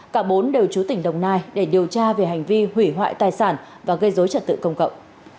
cả bốn đều chú tỉnh đồng nai để điều tra về hành vi hủy hoại tài sản và gây dối trật tự công cộng